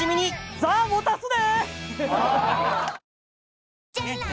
座持たすで！